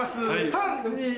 ３・２。